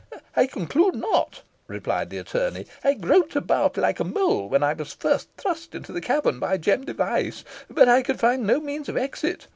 "I conclude not," replied the attorney. "I groped about like a mole when I was first thrust into the cavern by Jem Device, but I could find no means of exit.